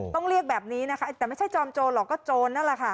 ต้องเรียกแบบนี้นะคะแต่ไม่ใช่จอมโจรหรอกก็โจรนั่นแหละค่ะ